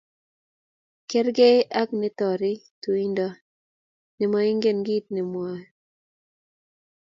Kerkei ak ne torei tuindo nemoingen kit nemwokei